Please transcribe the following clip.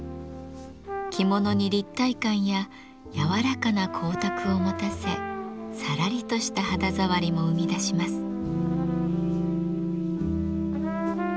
着物に立体感や柔らかな光沢を持たせさらりとした肌触りも生み出します。